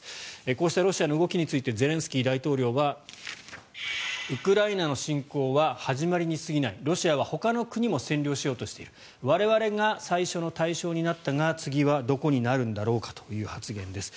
こうしたロシアの動きについてゼレンスキー大統領はウクライナの侵攻は始まりに過ぎないロシアはほかの国も占領しようとしている我々が最初の対象になったが次はどこになるんだろうという発言です。